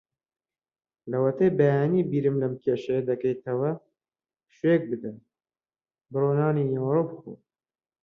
لەوەتەی بەیانی بیر لەم کێشەیە دەکەیتەوە. پشوویەک بدە؛ بڕۆ نانی نیوەڕۆ بخۆ.